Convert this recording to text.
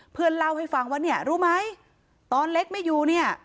เพื่อนเล่าให้ฟังว่าเนี่ยรู้ไหมตอนเล็กไม่อยู่เนี่ย